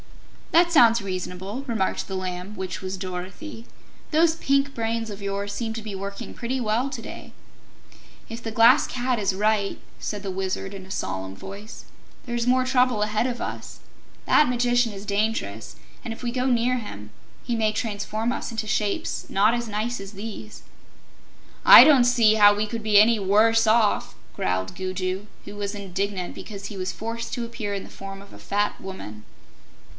"That sounds reasonable," remarked the Lamb, which was Dorothy. "Those pink brains of yours seem to be working pretty well to day." "If the Glass Cat is right," said the Wizard in a solemn voice, "there's more trouble ahead of us. That Magician is dangerous, and if we go near him he may transform us into shapes not as nice as these." "I don't see how we could be any WORSE off," growled Gugu, who was indignant because he was forced to appear in the form of a fat woman.